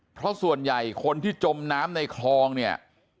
เพราะส่วนใหญ่คนที่จมน้ำในคลองเนี่ย